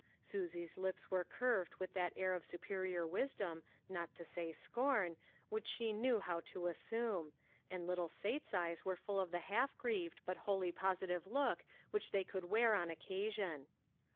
Susie's lips were curved with that air of superior wisdom, not to say scorn, which she knew how to assume ; and little Sate's eyes were full of the half grieved but wholly positive look which they could wear on occasion.